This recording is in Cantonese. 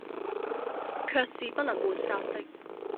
卻是不能抹殺的，